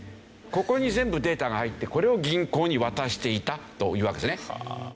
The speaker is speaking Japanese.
ここに全部データが入ってこれを銀行に渡していたというわけですね。